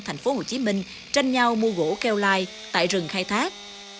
thành phố hồ chí minh tranh nhau mua gỗ keo lai tại rừng khai thác